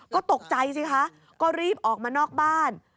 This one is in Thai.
ก็ตกใจสิคะก็รีบออกมานอกบ้าน